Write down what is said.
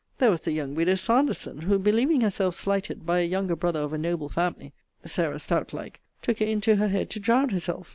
There was the young widow SANDERSON, who believing herself slighted by a younger brother of a noble family, (Sarah Stout like,) took it into her head to drown herself.